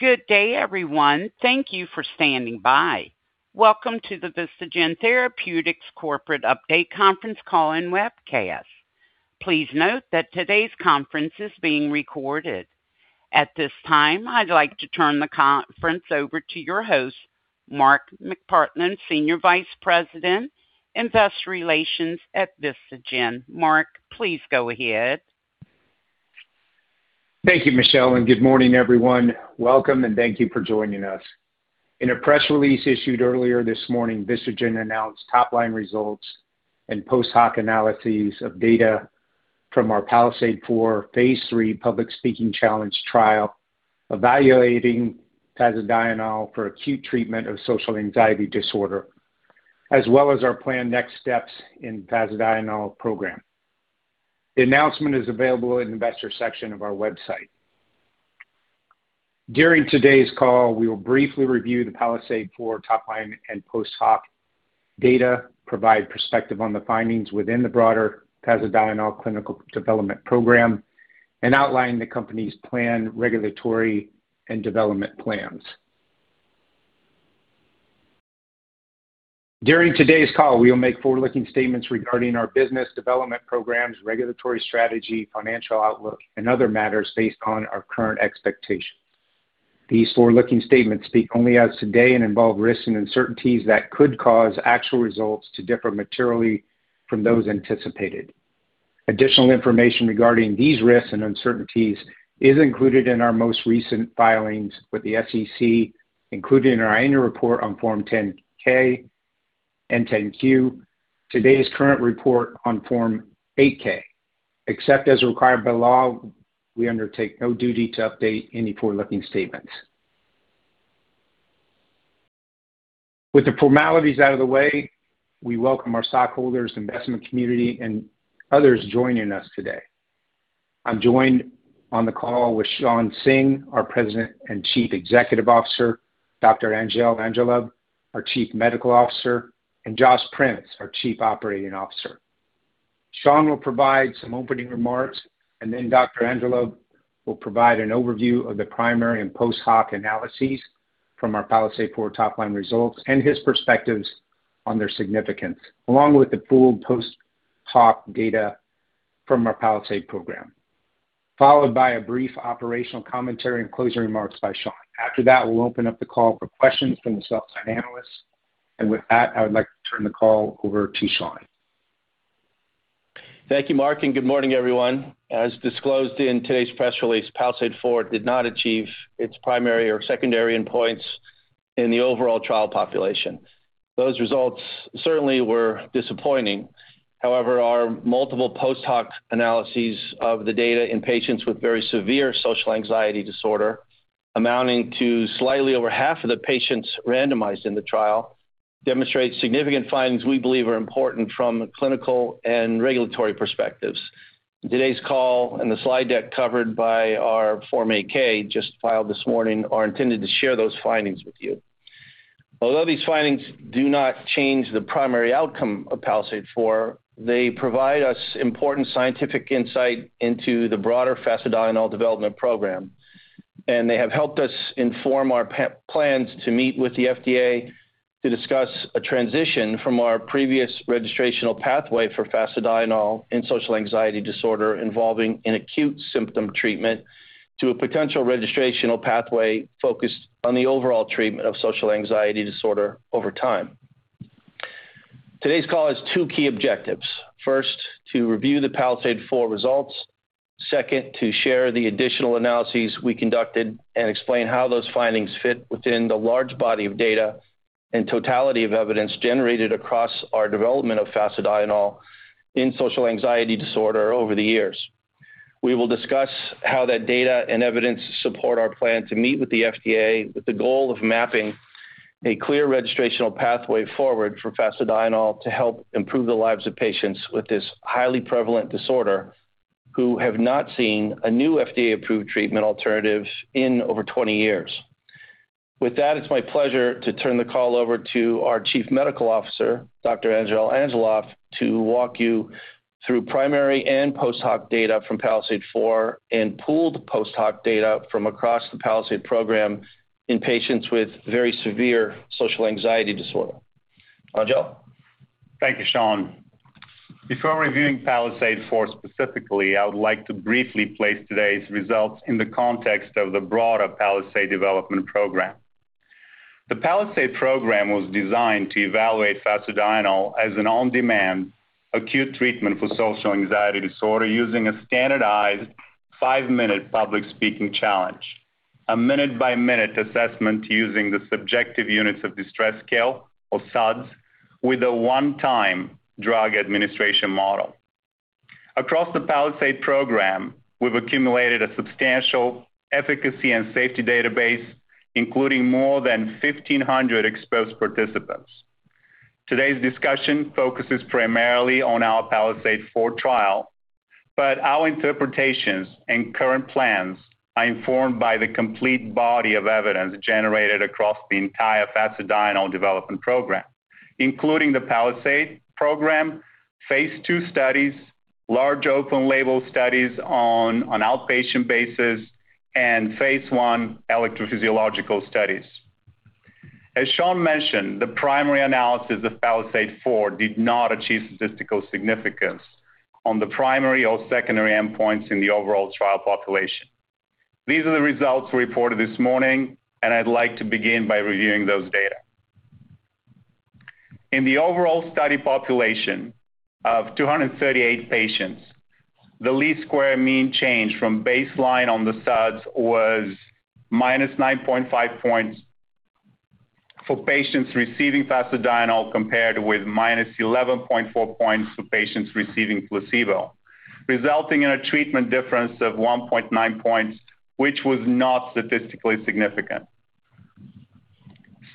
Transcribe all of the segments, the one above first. Good day, everyone. Thank you for standing by. Welcome to the VistaGen Therapeutics Corporate Update conference call and webcast. Please note that today's conference is being recorded. At this time, I'd like to turn the conference over to your host, Mark McPartland, Senior Vice President, Investor Relations at VistaGen. Mark, please go ahead. Thank you, Michelle. Good morning, everyone. Welcome, and thank you for joining us. In a press release issued earlier this morning, VistaGen announced top-line results and post-hoc analyses of data from our PALISADE-4 Phase 3 public speaking challenge trial evaluating fasedienol for acute treatment of social anxiety disorder, as well as our planned next steps in fasedienol program. The announcement is available in the investor section of our website. During today's call, we will briefly review the PALISADE-4 top-line and post-hoc data, provide perspective on the findings within the broader fasedienol clinical development program, and outline the company's planned regulatory and development plans. During today's call, we will make forward-looking statements regarding our business development programs, regulatory strategy, financial outlook, and other matters based on our current expectations. These forward-looking statements speak only as today and involve risks and uncertainties that could cause actual results to differ materially from those anticipated. Additional information regarding these risks and uncertainties is included in our most recent filings with the SEC, including in our annual report on Form 10-K and 10-Q, today's current report on Form 8-K. Except as required by law, we undertake no duty to update any forward-looking statements. With the formalities out of the way, we welcome our stockholders, investment community, and others joining us today. I'm joined on the call with Shawn Singh, our President and Chief Executive Officer, Dr. Angel Angelov, our Chief Medical Officer, and Jos Prince, our Chief Operating Officer. Shawn will provide some opening remarks. Then Dr. Angelov will provide an overview of the primary and post-hoc analyses from our PALISADE-4 top-line results and his perspectives on their significance, along with the full post-hoc data from our PALISADE program, followed by a brief operational commentary and closing remarks by Shawn. After that, we'll open up the call for questions from the sell-side analysts. With that, I would like to turn the call over to Shawn. Thank you, Mark. Good morning, everyone. As disclosed in today's press release, PALISADE-4 did not achieve its primary or secondary endpoints in the overall trial population. Those results certainly were disappointing. However, our multiple post-hoc analyses of the data in patients with very severe social anxiety disorder, amounting to slightly over half of the patients randomized in the trial, demonstrate significant findings we believe are important from clinical and regulatory perspectives. Today's call and the slide deck covered by our Form 8-K, just filed this morning, are intended to share those findings with you. Although these findings do not change the primary outcome of PALISADE-4, they provide us important scientific insight into the broader fasedienol development program. They have helped us inform our plans to meet with the FDA to discuss a transition from our previous registrational pathway for fasedienol in social anxiety disorder involving an acute symptom treatment to a potential registrational pathway focused on the overall treatment of social anxiety disorder over time. Today's call has two key objectives. First, to review the PALISADE-4 results. Second, to share the additional analyses we conducted and explain how those findings fit within the large body of data and totality of evidence generated across our development of fasedienol in social anxiety disorder over the years. We will discuss how that data and evidence support our plan to meet with the FDA with the goal of mapping a clear registrational pathway forward for fasedienol to help improve the lives of patients with this highly prevalent disorder who have not seen a new FDA-approved treatment alternative in over 20 years. With that, it is my pleasure to turn the call over to our Chief Medical Officer, Dr. Angel Angelov, to walk you through primary and post-hoc data from PALISADE-4 and pooled post-hoc data from across the PALISADE program in patients with very severe social anxiety disorder. Angel? Thank you, Shawn. Before reviewing PALISADE-4 specifically, I would like to briefly place today's results in the context of the broader PALISADE development program. The PALISADE program was designed to evaluate fasedienol as an on-demand acute treatment for social anxiety disorder using a standardized five-minute public speaking challenge, a minute-by-minute assessment using the Subjective Units of Distress Scale, or SUDS, with a one-time drug administration model. Across the PALISADE program, we've accumulated a substantial efficacy and safety database, including more than 1,500 exposed participants. Today's discussion focuses primarily on our PALISADE-4 trial, but our interpretations and current plans are informed by the complete body of evidence generated across the entire fasedienol development program. Including the PALISADE program, Phase 2 studies, large open label studies on outpatient basis, and Phase I electrophysiological studies. As Shawn mentioned, the primary analysis of PALISADE-4 did not achieve statistical significance on the primary or secondary endpoints in the overall trial population. These are the results reported this morning, and I'd like to begin by reviewing those data. In the overall study population of 238 patients, the least square mean change from baseline on the SUDS was -9.5 points for patients receiving fasedienol compared with -11.4 points for patients receiving placebo, resulting in a treatment difference of 1.9 points, which was not statistically significant.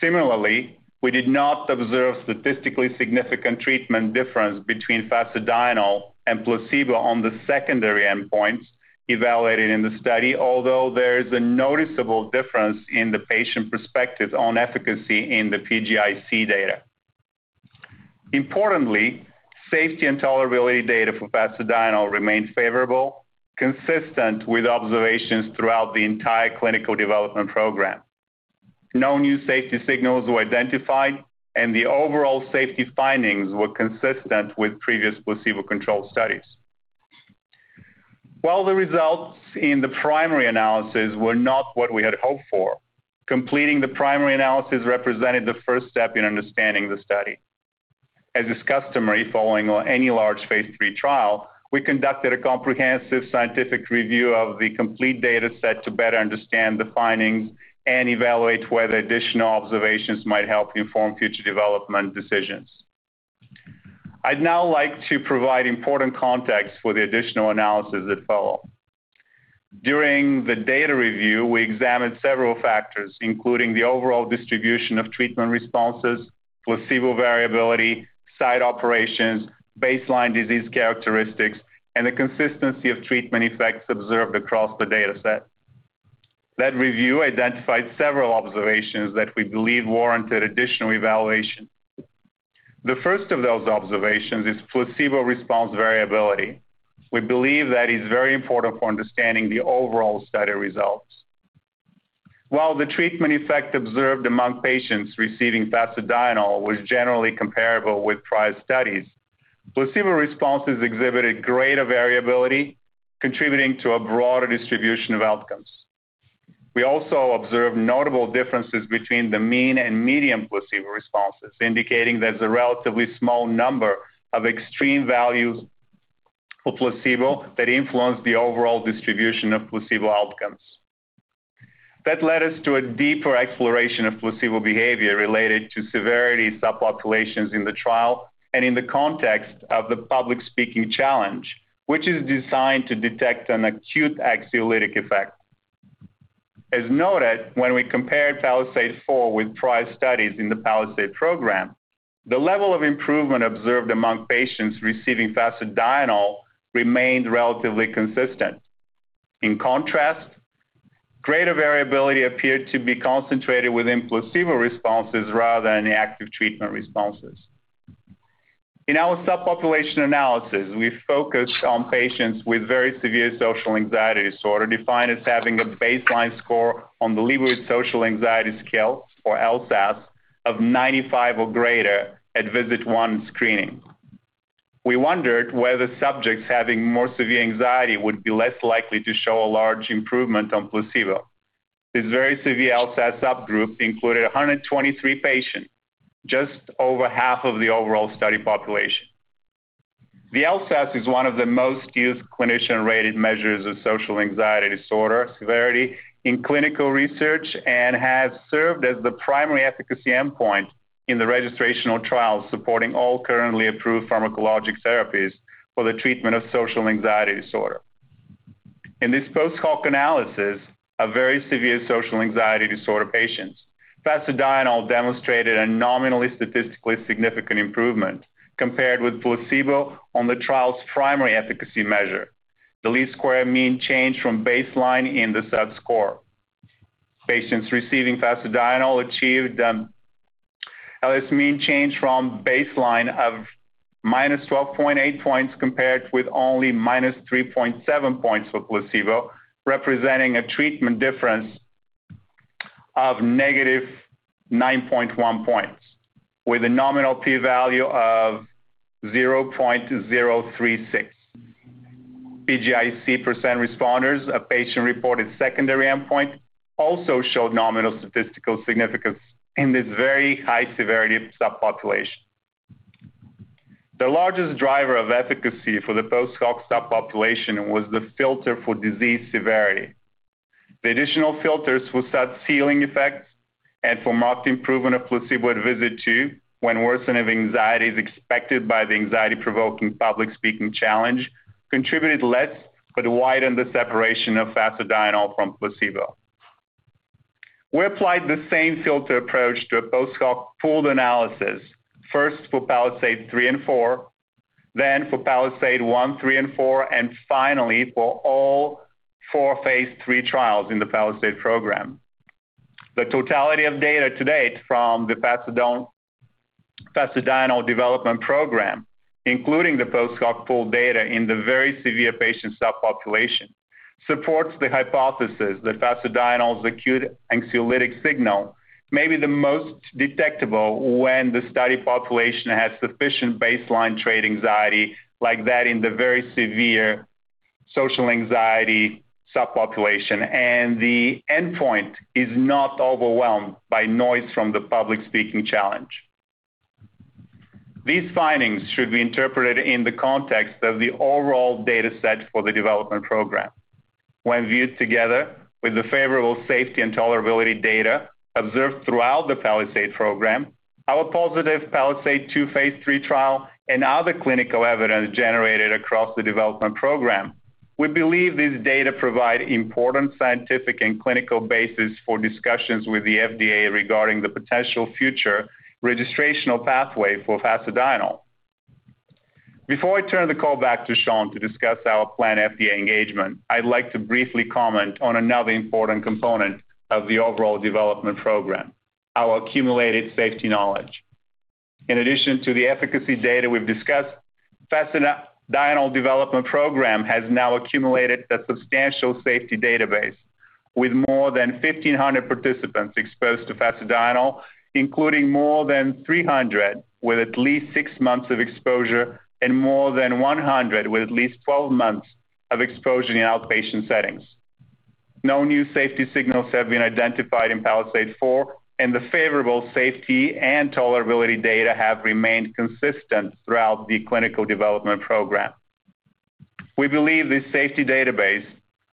Similarly, we did not observe statistically significant treatment difference between fasedienol and placebo on the secondary endpoints evaluated in the study, although there is a noticeable difference in the patient perspective on efficacy in the PGIC data. Importantly, safety and tolerability data for fasedienol remained favorable, consistent with observations throughout the entire clinical development program. No new safety signals were identified, and the overall safety findings were consistent with previous placebo-controlled studies. While the results in the primary analysis were not what we had hoped for, completing the primary analysis represented the first step in understanding the study. As is customary following any large Phase 2I trial, we conducted a comprehensive scientific review of the complete data set to better understand the findings and evaluate whether additional observations might help inform future development decisions. I'd now like to provide important context for the additional analysis that follow. During the data review, we examined several factors, including the overall distribution of treatment responses, placebo variability, site operations, baseline disease characteristics, and the consistency of treatment effects observed across the data set. That review identified several observations that we believe warranted additional evaluation. The first of those observations is placebo response variability. We believe that is very important for understanding the overall study results. While the treatment effect observed among patients receiving fasedienol was generally comparable with prior studies, placebo responses exhibited greater variability, contributing to a broader distribution of outcomes. We also observed notable differences between the mean and median placebo responses, indicating there's a relatively small number of extreme values for placebo that influence the overall distribution of placebo outcomes. That led us to a deeper exploration of placebo behavior related to severity subpopulations in the trial and in the context of the public speaking challenge, which is designed to detect an acute anxiolytic effect. As noted, when we compared PALISADE-4 with prior studies in the PALISADE program, the level of improvement observed among patients receiving fasedienol remained relatively consistent. In contrast, greater variability appeared to be concentrated within placebo responses rather than active treatment responses. In our subpopulation analysis, we focused on patients with very severe social anxiety disorder, defined as having a baseline score on the Liebowitz Social Anxiety Scale, or LSAS, of 95 or greater at visit one screening. We wondered whether subjects having more severe anxiety would be less likely to show a large improvement on placebo. This very severe LSAS subgroup included 123 patients, just over half of the overall study population. The LSAS is one of the most used clinician-rated measures of social anxiety disorder severity in clinical research and has served as the primary efficacy endpoint in the registrational trial supporting all currently approved pharmacologic therapies for the treatment of social anxiety disorder. In this post hoc analysis of very severe social anxiety disorder patients, fasedienol demonstrated a nominally statistically significant improvement compared with placebo on the trial's primary efficacy measure. The least square mean change from baseline in the SUDS score. Patients receiving fasedienol achieved this mean change from baseline of -12.8 points compared with only -3.7 points for placebo, representing a treatment difference of -9.1 points with a nominal P value of 0.036. PGIC percent responders, a patient-reported secondary endpoint, also showed nominal statistical significance in this very high-severity subpopulation. The largest driver of efficacy for the post hoc subpopulation was the filter for disease severity. The additional filters for SUDS ceiling effects and for marked improvement of placebo at visit two, when worsening of anxiety is expected by the anxiety-provoking public speaking challenge, contributed less but widened the separation of fasedienol from placebo. We applied the same filter approach to a post hoc pooled analysis, first for PALISADE-3 and -4. For PALISADE-1, -3, and -4, and finally, for all four Phase 3 trials in the PALISADE program. The totality of data to date from the fasedienol development program, including the post hoc pooled data in the very severe patient subpopulation, supports the hypothesis that fasedienol's acute anxiolytic signal may be the most detectable when the study population has sufficient baseline trait anxiety like that in the very severe social anxiety subpopulation, and the endpoint is not overwhelmed by noise from the public speaking challenge. These findings should be interpreted in the context of the overall data set for the development program. When viewed together with the favorable safety and tolerability data observed throughout the PALISADE program, our positive PALISADE-2 Phase 3 trial and other clinical evidence generated across the development program, we believe these data provide important scientific and clinical basis for discussions with the FDA regarding the potential future registrational pathway for fasedienol. Before I turn the call back to Shawn to discuss our planned FDA engagement, I'd like to briefly comment on another important component of the overall development program, our accumulated safety knowledge. In addition to the efficacy data we've discussed, fasedienol development program has now accumulated a substantial safety database with more than 1,500 participants exposed to fasedienol, including more than 300 with at least six months of exposure and more than 100 with at least 12 months of exposure in outpatient settings. No new safety signals have been identified in PALISADE-4, and the favorable safety and tolerability data have remained consistent throughout the clinical development program. We believe this safety database,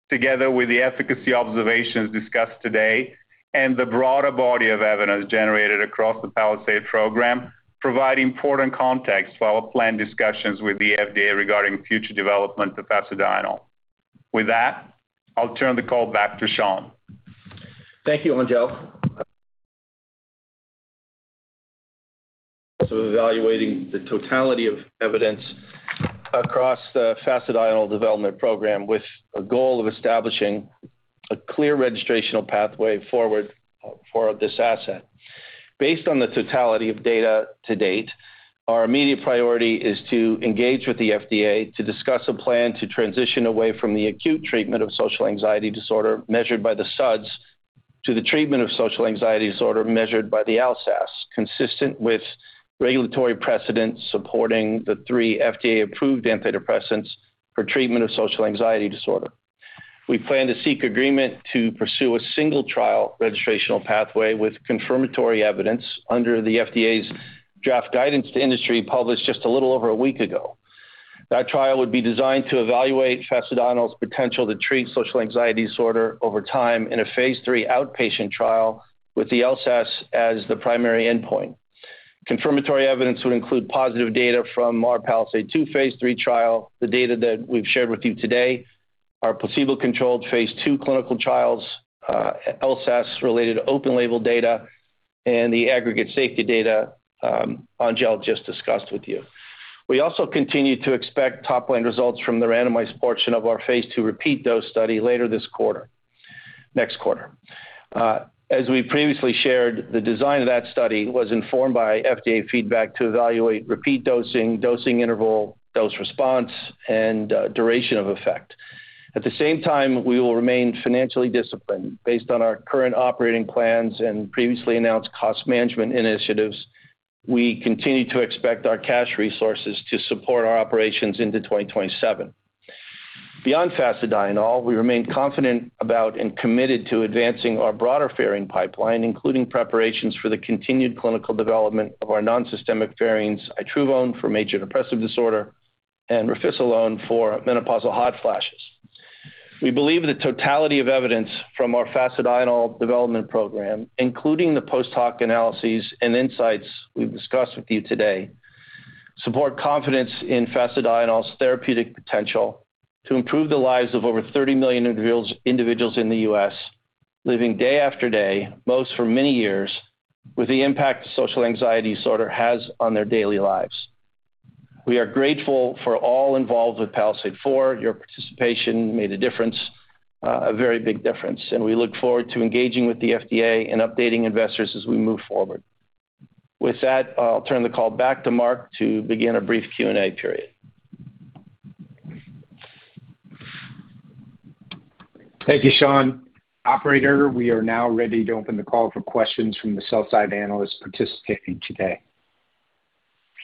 together with the efficacy observations discussed today and the broader body of evidence generated across the PALISADE program, provide important context for our planned discussions with the FDA regarding future development of fasedienol. With that, I'll turn the call back to Shawn. Thank you, Angel. Evaluating the totality of evidence across the fasedienol development program with a goal of establishing a clear registrational pathway forward for this asset. Based on the totality of data to date, our immediate priority is to engage with the FDA to discuss a plan to transition away from the acute treatment of social anxiety disorder, measured by the SUDS, to the treatment of social anxiety disorder measured by the LSAS, consistent with regulatory precedents supporting the three FDA-approved antidepressants for treatment of social anxiety disorder. We plan to seek agreement to pursue a single trial registrational pathway with confirmatory evidence under the FDA's draft guidance to industry published just a little over a week ago. That trial would be designed to evaluate fasedienol's potential to treat social anxiety disorder over time in a Phase 3 outpatient trial with the LSAS as the primary endpoint. Confirmatory evidence would include positive data from our PALISADE-2 Phase 3 trial, the data that we've shared with you today, our placebo-controlled Phase 2 clinical trials, LSAS-related open label data, and the aggregate safety data Angel just discussed with you. We also continue to expect top-line results from the randomized portion of our Phase 2 repeat dose study later next quarter. As we previously shared, the design of that study was informed by FDA feedback to evaluate repeat dosing interval, dose response, and duration of effect. At the same time, we will remain financially disciplined. Based on our current operating plans and previously announced cost management initiatives, we continue to expect our cash resources to support our operations into 2027. Beyond fasedienol, we remain confident about and committed to advancing our broader pherine pipeline, including preparations for the continued clinical development of our non-systemic pherines, itruvone for major depressive disorder and refisolone for menopausal hot flashes. We believe the totality of evidence from our fasedienol development program, including the post hoc analyses and insights we've discussed with you today, support confidence in fasedienol's therapeutic potential to improve the lives of over 30 million individuals in the U.S. living day after day, most for many years, with the impact social anxiety disorder has on their daily lives. We are grateful for all involved with PALISADE-4. Your participation made a difference, a very big difference, and we look forward to engaging with the FDA and updating investors as we move forward. With that, I'll turn the call back to Mark to begin a brief Q&A period. Thank you, Shawn. Operator, we are now ready to open the call for questions from the sell-side analysts participating today.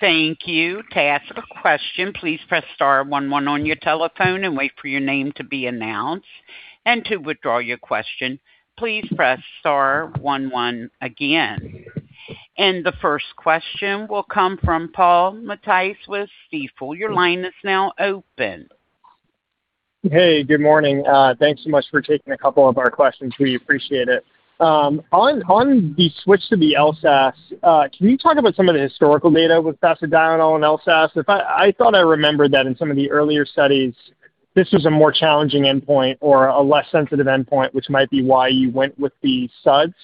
Thank you. To ask a question, please press star one one on your telephone and wait for your name to be announced. To withdraw your question, please press star one one again. The first question will come from Paul Matteis with Stifel. Your line is now open. Hey, good morning. Thanks so much for taking a couple of our questions. We appreciate it. On the switch to the LSAS, can you talk about some of the historical data with fasedienol and LSAS? I thought I remembered that in some of the earlier studies, this was a more challenging endpoint or a less sensitive endpoint, which might be why you went with the SUDS.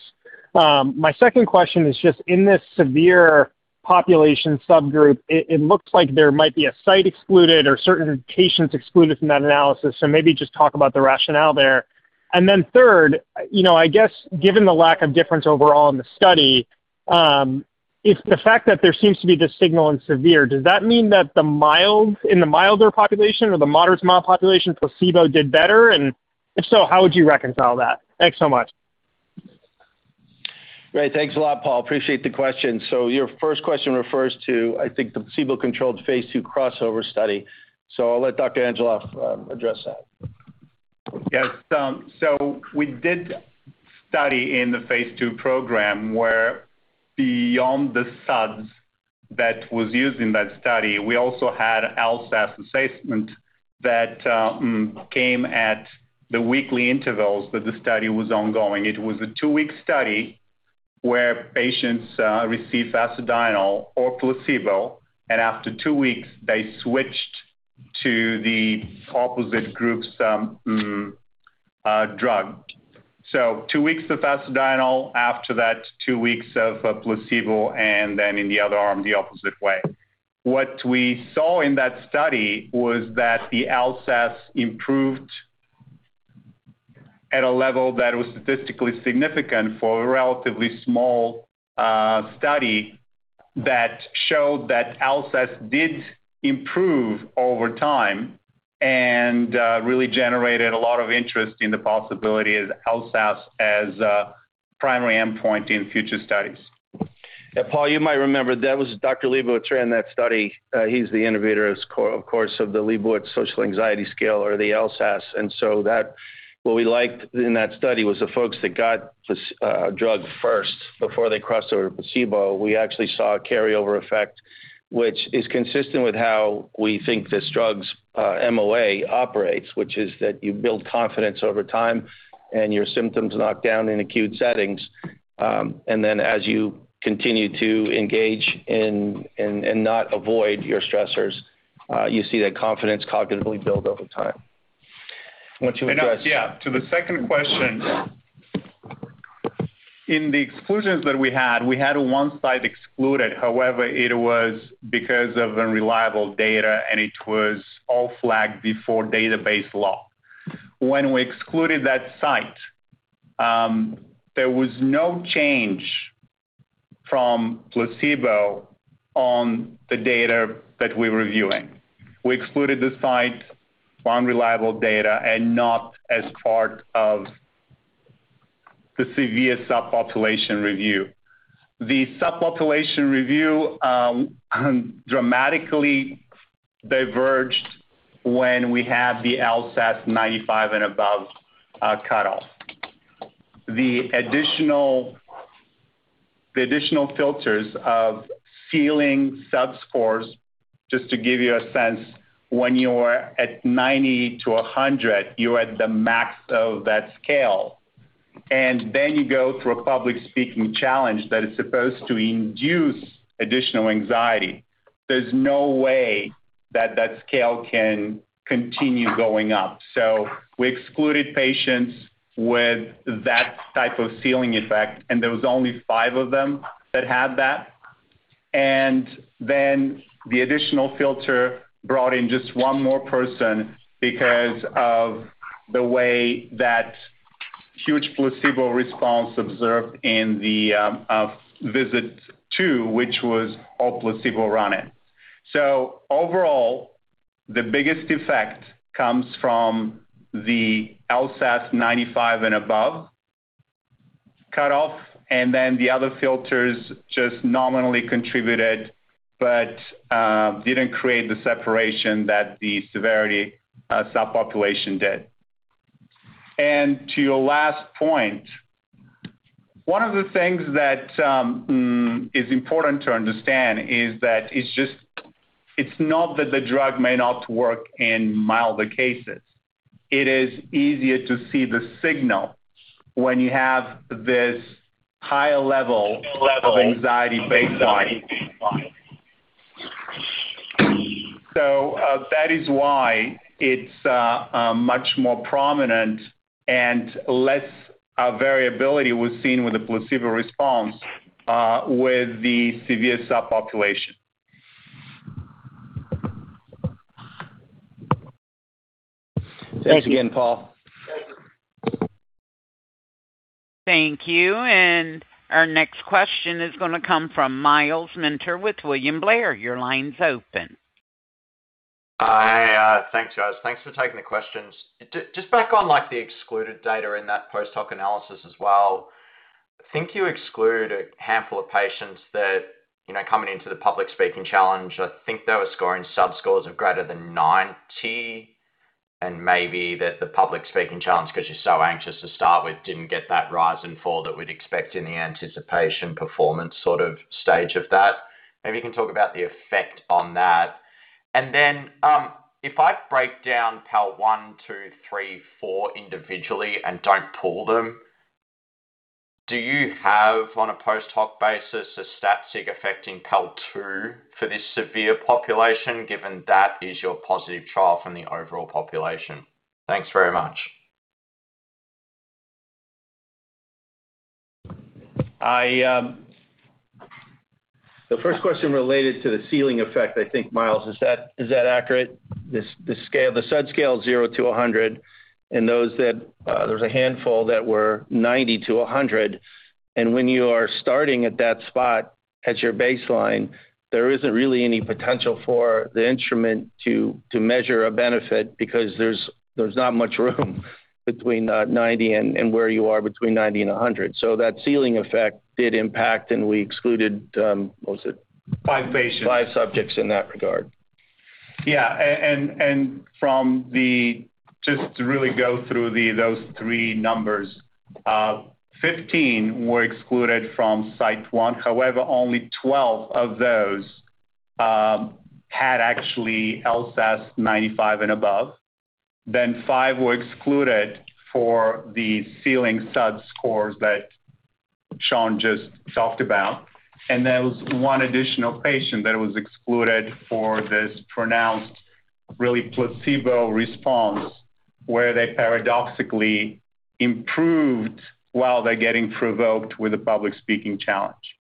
My second question is just in this severe population subgroup, it looks like there might be a site excluded or certain patients excluded from that analysis. Maybe just talk about the rationale there. Then third, I guess given the lack of difference overall in the study, if the fact that there seems to be this signal in severe, does that mean that in the milder population or the moderate-to-mild population, placebo did better? If so, how would you reconcile that? Thanks so much. Great. Thanks a lot, Paul. Appreciate the question. Your first question refers to, I think, the placebo-controlled Phase 2 crossover study, so I'll let Dr. Angelov address that. Yes. We did study in the Phase 2 program where beyond the SUDS that was used in that study, we also had LSAS assessment that came at the weekly intervals that the study was ongoing. It was a two-week study where patients received fasedienol or placebo, and after two weeks, they switched to the opposite group's drug. Two weeks of fasedienol, after that, two weeks of placebo, and then in the other arm, the opposite way. What we saw in that study was that the LSAS improved at a level that was statistically significant for a relatively small study that showed that LSAS did improve over time and really generated a lot of interest in the possibility of LSAS as a primary endpoint in future studies. Paul, you might remember that was Dr. Liebowitz ran that study. He's the innovator, of course, of the Liebowitz Social Anxiety Scale or the LSAS. What we liked in that study was the folks that got this drug first before they crossed over to placebo. We actually saw a carryover effect, which is consistent with how we think this drug's MOA operates, which is that you build confidence over time and your symptoms knock down in acute settings. As you continue to engage and not avoid your stressors, you see that confidence cognitively build over time. Why don't you address- To the second question. In the exclusions that we had, we had one site excluded. However, it was because of unreliable data, and it was all flagged before database lock. When we excluded that site, there was no change from placebo on the data that we were reviewing. We excluded the site on unreliable data and not as part of the severe subpopulation review. The subpopulation review dramatically diverged when we had the LSAS 95 and above cutoff. The additional filters of ceiling SUDS scores, just to give you a sense, when you're at 90-100, you're at the max of that scale. You go through a public speaking challenge that is supposed to induce additional anxiety. There's no way that that scale can continue going up. We excluded patients with that type of ceiling effect, and there was only five of them that had that. The additional filter brought in just one more person because of the way that huge placebo response observed in the Visit 2, which was all placebo-run in. Overall, the biggest effect comes from the LSAS 95 and above cutoff. The other filters just nominally contributed but didn't create the separation that the severity subpopulation did. To your last point, one of the things that is important to understand is that it's not that the drug may not work in milder cases. It is easier to see the signal when you have this higher level of anxiety baseline. That is why it's much more prominent and less variability was seen with the placebo response with the severe subpopulation. Thanks again, Paul Matteis. Thank you. Thank you. Our next question is going to come from Myles Minter with William Blair. Your line's open. Hi. Thanks, guys. Thanks for taking the questions. Just back on the excluded data in that post-hoc analysis as well, I think you exclude a handful of patients that coming into the public speaking challenge, I think they were scoring SUDS scores of greater than 90 and maybe that the public speaking challenge, because you're so anxious to start with, didn't get that rise and fall that we'd expect in the anticipation performance sort of stage of that. Maybe you can talk about the effect on that. Then if I break down PAL-1, PAL-2, PAL-3, PAL-4 individually and don't pool them, do you have on a post-hoc basis a statistic affecting PAL-2 for this severe population, given that is your positive trial from the overall population? Thanks very much. The first question related to the ceiling effect, I think, Myles, is that accurate? The SUDS scale is zero to 100, and there was a handful that were 90-100. When you are starting at that spot as your baseline, there isn't really any potential for the instrument to measure a benefit because there's not much room between 90 and where you are between 90 and 100. That ceiling effect did impact, and we excluded, what was it? Five patients. Five subjects in that regard. Yeah. Just to really go through those three numbers. 15 were excluded from site one. However, only 12 of those had actually LSAS 95 and above. Five were excluded for the ceiling SUD scores that Shawn just talked about. There was one additional patient that was excluded for this pronounced, really placebo response, where they paradoxically improved while they're getting provoked with a public speaking challenge.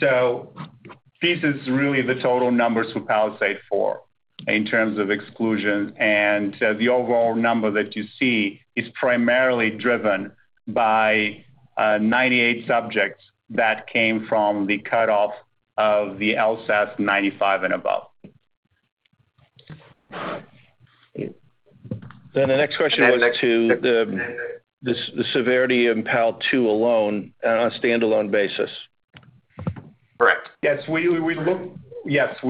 This is really the total numbers for PALISADE-4 in terms of exclusion. The overall number that you see is primarily driven by 98 subjects that came from the cutoff of the LSAS 95 and above. The next question was to the severity in PAL-2 alone on a standalone basis. Correct. Yes, we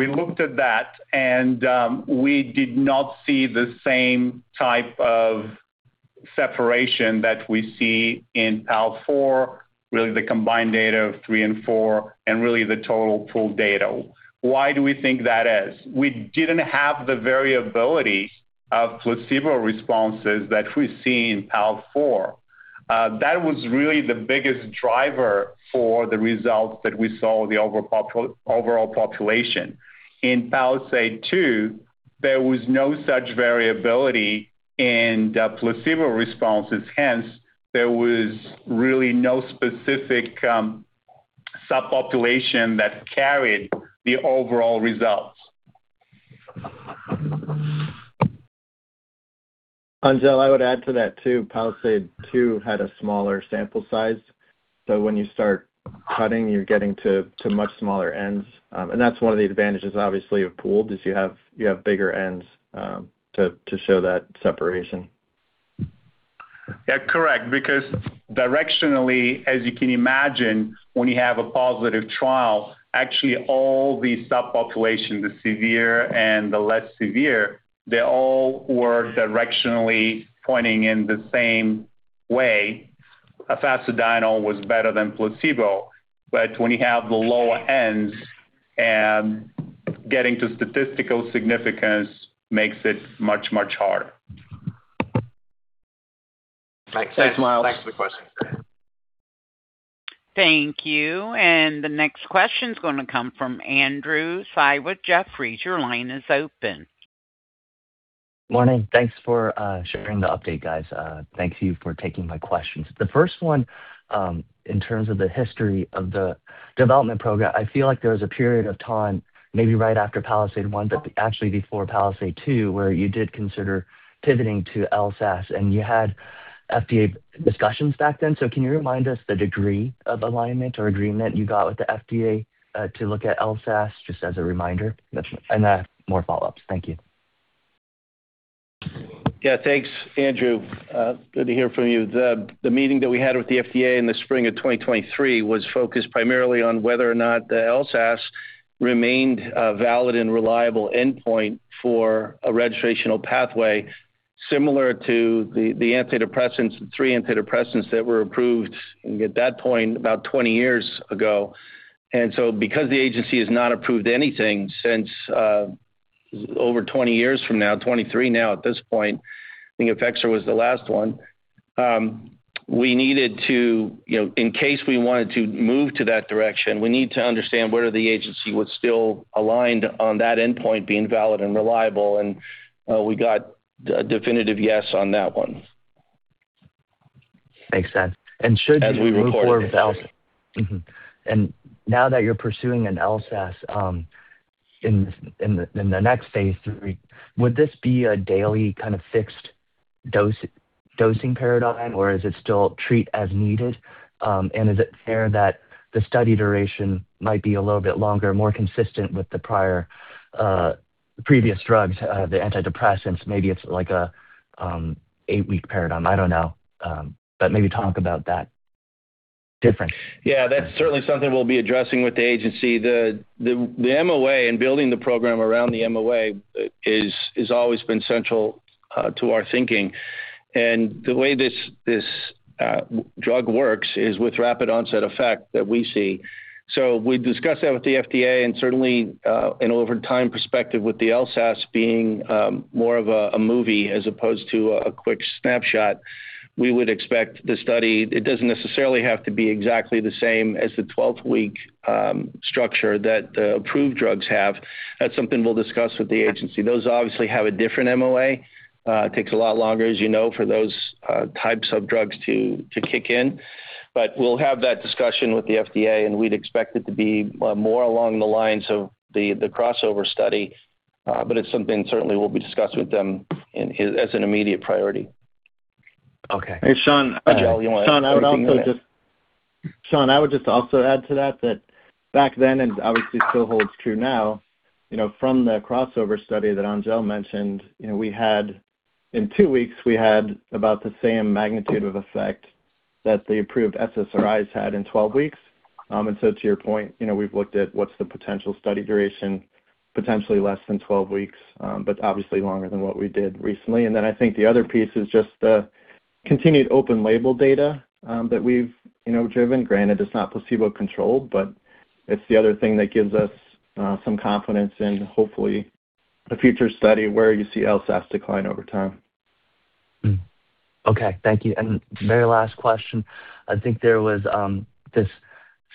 looked at that. We did not see the same type of separation that we see in PAL-4, really the combined data of three and four, and really the total pooled data. Why do we think that is? We didn't have the variability of placebo responses that we see in PAL-4. That was really the biggest driver for the results that we saw in the overall population. In PALISADE-2, there was no such variability in the placebo responses. Hence, there was really no specific subpopulation that carried the overall results. Angel, I would add to that, too. PALISADE-2 had a smaller sample size. When you start cutting, you're getting to much smaller ends. That's one of the advantages, obviously, of pooled, is you have bigger ends to show that separation. Yeah, correct. Directionally, as you can imagine, when you have a positive trial, actually all the subpopulation, the severe and the less severe, they all were directionally pointing in the same way. fasedienol was better than placebo. When you have the lower ends, getting to statistical significance makes it much harder. Makes sense. Thanks, Myles. Thanks for the question. Thank you. The next question's going to come from Andrew Tsai with Jefferies. Your line is open. Morning. Thanks for sharing the update, guys. Thank you for taking my questions. The first one, in terms of the history of the development program, I feel like there was a period of time, maybe right after PALISADE-1, but actually before PALISADE-2, where you did consider pivoting to LSAS, and you had FDA discussions back then. Can you remind us the degree of alignment or agreement you got with the FDA to look at LSAS, just as a reminder? I have more follow-ups. Thank you. Yeah. Thanks, Andrew. Good to hear from you. The meeting that we had with the FDA in the spring of 2023 was focused primarily on whether or not the LSAS remained a valid and reliable endpoint for a registrational pathway similar to the three antidepressants that were approved at that point about 20 years ago. Because the agency has not approved anything since, over 20 years from now, 23 now at this point, I think Effexor was the last one. In case we wanted to move to that direction, we need to understand whether the agency was still aligned on that endpoint being valid and reliable, and we got a definitive yes on that one. Makes sense. As we reported. Now that you're pursuing an LSAS in the next Phase 3, would this be a daily kind of fixed dosing paradigm, or is it still treat as needed? Is it fair that the study duration might be a little bit longer, more consistent with the previous drugs, the antidepressants, maybe it's like an eight-week paradigm? I don't know. Maybe talk about that difference. That's certainly something we'll be addressing with the agency. The MOA and building the program around the MOA has always been central to our thinking. The way this drug works is with rapid onset effect that we see. We discussed that with the FDA and certainly in an over time perspective with the LSAS being more of a movie as opposed to a quick snapshot. We would expect the study, it doesn't necessarily have to be exactly the same as the 12-week structure that the approved drugs have. That's something we'll discuss with the agency. Those obviously have a different MOA. It takes a lot longer, as you know, for those types of drugs to kick in. We'll have that discussion with the FDA, and we'd expect it to be more along the lines of the crossover study. It's something certainly we'll be discussing with them as an immediate priority. Okay. Hey, Shawn. Angel, you want to add anything there? Shawn, I would just also add to that back then, and obviously still holds true now, from the crossover study that Angel mentioned, in two weeks, we had about the same magnitude of effect that the approved SSRIs had in 12 weeks. To your point, we've looked at what's the potential study duration, potentially less than 12 weeks, but obviously longer than what we did recently. I think the other piece is just the continued open label data that we've driven. Granted, it's not placebo-controlled, but it's the other thing that gives us some confidence in hopefully a future study where you see LSAS decline over time. Okay. Thank you. Very last question. I think there was this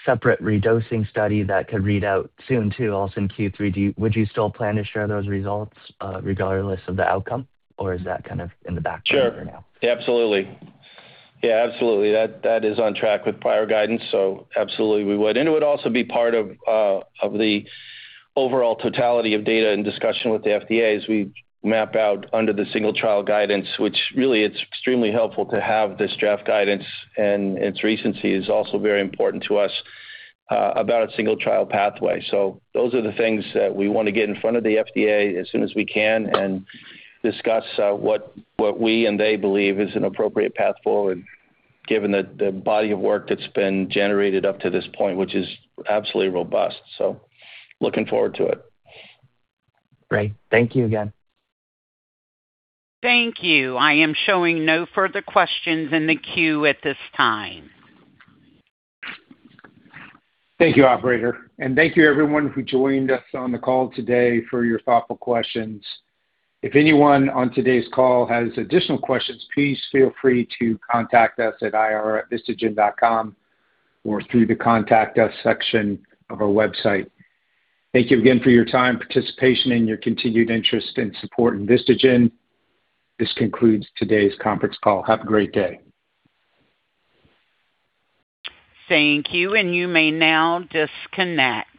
separate redosing study that could read out soon too, also in Q3. Would you still plan to share those results regardless of the outcome, or is that kind of in the background for now? Sure. Absolutely. Yeah, absolutely. That is on track with prior guidance. Absolutely we would. It would also be part of the overall totality of data and discussion with the FDA as we map out under the single trial guidance, which really it's extremely helpful to have this draft guidance, and its recency is also very important to us about a single trial pathway. Those are the things that we want to get in front of the FDA as soon as we can and discuss what we and they believe is an appropriate path forward given the body of work that's been generated up to this point, which is absolutely robust. Looking forward to it. Great. Thank you again. Thank you. I am showing no further questions in the queue at this time. Thank you, operator. Thank you everyone who joined us on the call today for your thoughtful questions. If anyone on today's call has additional questions, please feel free to contact us at ir@vistagen.com or through the Contact Us section of our website. Thank you again for your time, participation, and your continued interest and support in VistaGen. This concludes today's conference call. Have a great day. Thank you, and you may now disconnect.